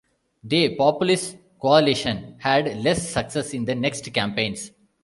They Populist coalition had less success in the next campaigns.